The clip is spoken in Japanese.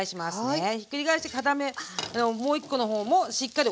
はい。